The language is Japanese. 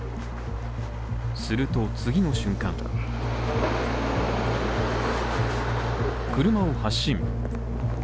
すると次の瞬間車を発進。